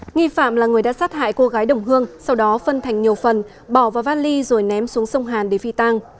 nghi phạm là người đã sát hại cô gái đồng hương sau đó phân thành nhiều phần bỏ vào vali rồi ném xuống sông hàn để phi tăng